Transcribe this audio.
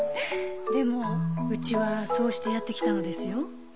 でもうちはそうしてやってきたのですよ。